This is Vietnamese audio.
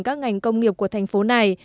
các ngành công nghiệp của thành phố này